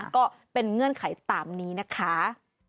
ก็เป็นเงื่อนไขตามนี้นะคะ